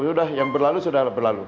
sudah yang berlalu sudah berlalu